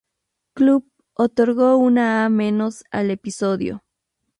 Club" otorgó una "A-" al episodio.